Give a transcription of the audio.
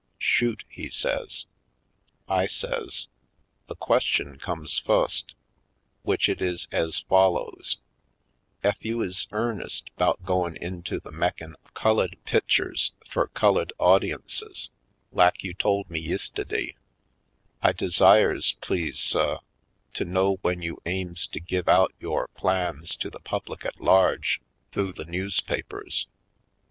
''Shoot," he says. I says: ''The question comes fust, w'ich it is ez follows : Ef you is earnest 'bout goin' into the mekin' of cullid pitchers fur cullid au diences, lak you told me yistiddy, I desires please, suh, to know w'en you aims to give out yore plans to the public at large th'ough the newspapers?"